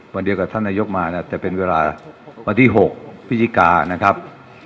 วันเดียวกับท่านนายกมาเนี่ยจะเป็นเวลาวันที่๖พฤศจิกานะครับ